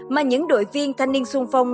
mà những đội viên thanh niên xuân phong